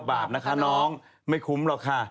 บาปนะคะน้องไม่คุ้มหรอกค่ะ